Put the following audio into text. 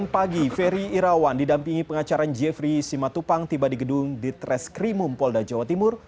pagi ferry irawan didampingi pengacaran jeffrey simatupang tiba di gedung di tres krimum polda jawa timur